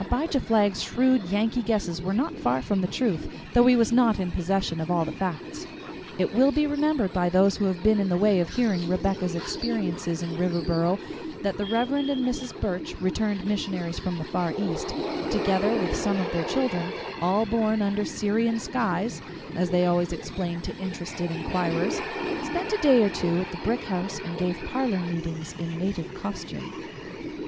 Abijah Flagg's shrewd Yankee guesses were not far from the truth, though he was not in possession of all the facts. It will be remembered by those who have been in the way of hearing Rebecca's experiences in Riverboro, that the Rev. and Mrs. Burch, returned missionaries from the Far East, together with some of their children, "all born under Syrian skies," as they always explained to interested inquirers, spent a day or two at the brick house, and gave parlor meetings in native costume.